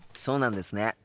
そうなんですね。